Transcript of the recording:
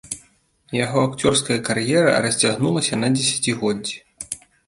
Яго акцёрская кар'ера расцягнулася на дзесяцігоддзі.